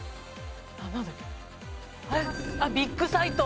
あっビッグサイト！